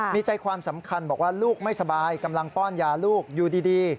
มีใจความสำคัญบอกว่าลูกไม่สบายกำลังป้อนยาลูกอยู่ดี